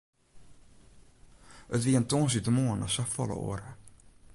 It wie in tongersdeitemoarn as safolle oare.